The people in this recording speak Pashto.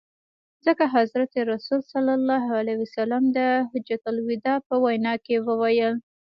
ځکه حضرت رسول ص د حجة الوداع په وینا کي وویل.